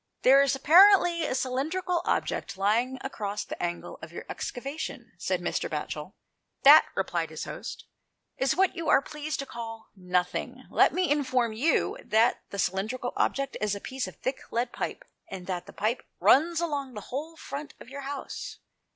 " There is apparently a cylindrical object lying across the angle of your excavation," said Mr. Batchel. " That," replied his guest, " is what you are pleased to call nothing. Let me inform you that the cylindrical object is a piece of thick lead pipe, and that the pipe runs along the whole front of your house."